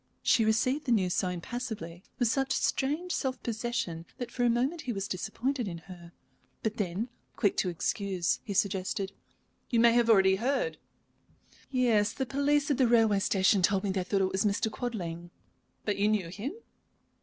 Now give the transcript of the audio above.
She received the news so impassively, with such strange self possession, that for a moment he was disappointed in her. But then, quick to excuse, he suggested: "You may have already heard?" "Yes; the police people at the railway station told me they thought it was Mr. Quadling." "But you knew him?"